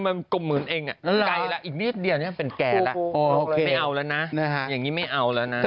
มันกมเหมือนเองแหละไก่แล้วอันนี้เป็นแก่แล้วไม่เอาแล้วนะ